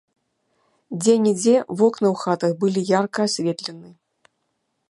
Дзе-нідзе вокны ў хатах былі ярка асветлены.